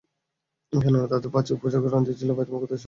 কেননা, তাদের বাছুর পূজার ঘটনাটি ছিল বায়তুল মুকাদ্দাস শহরে আগমনের পূর্বে।